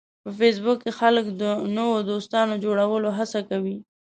په فېسبوک کې خلک د نوو دوستانو جوړولو هڅه کوي